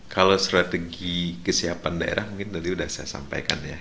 kalau strategi kesiapan daerah mungkin tadi sudah saya sampaikan ya